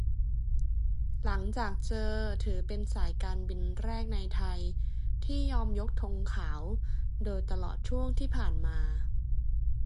หลังจากเจอ ถือเป็นสายการบินแรกในไทยที่ยอมยกธงขาว โดยตลอดช่วงที่ผ่านมา